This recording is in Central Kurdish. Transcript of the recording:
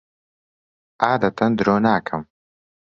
عادەتەن درۆ ناکەم.